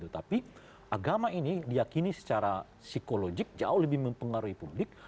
tapi agama ini diakini secara psikologik jauh lebih mempengaruhi publik